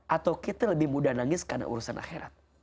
atau kita lebih mudah nangis karena urusan akhirat